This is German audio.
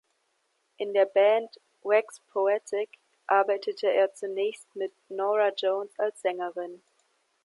In der Band "Wax Poetic" arbeitete er zunächst mit Norah Jones als Sängerin.